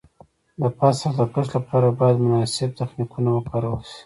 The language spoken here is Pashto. د فصل د کښت لپاره باید مناسب تخنیکونه وکارول شي.